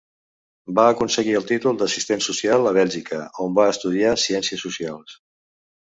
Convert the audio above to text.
Va aconseguir el títol d'assistent social a Bèlgica, on va estudiar Ciències Socials.